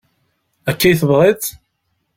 Akka i tebɣiḍ?